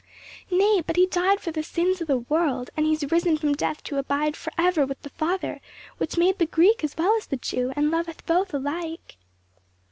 "Nay, but he died for the sins of the world, and he is risen from death to abide forever with the Father which made the Greek as well as the Jew, and loveth both alike."